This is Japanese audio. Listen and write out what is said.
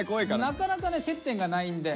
なかなかね接点がないんで。